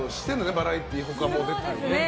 バラエティー他出てたりね。